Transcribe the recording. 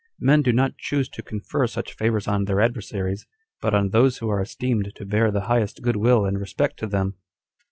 Men do not choose to confer such favors on their adversaries, but on those who are esteemed to bear the highest good will and respect to them.